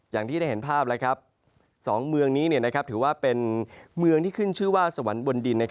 อย่างที่ได้เห็นภาพ๒เมืองนี้ถือว่าเป็นเมืองที่ขึ้นชื่อว่าสวรรค์บนดิน